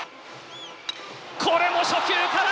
これも初球から！